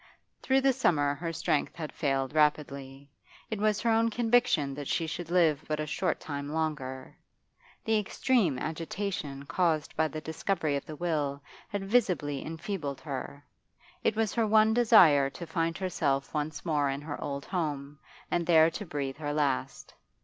Through the summer her strength had failed rapidly; it was her own conviction that she could live but a short time longer. The extreme agitation caused by the discovery of the will had visibly enfeebled her; it was her one desire to find herself once more in her old home, and there to breathe her last.